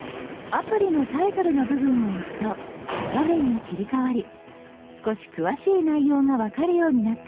アプリのタイトルの部分を押すと画面が切り替わり少し詳しい内容が分かるようになっています。